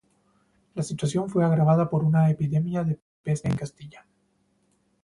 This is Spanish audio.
La situación fue agravada por una epidemia de peste en Castilla.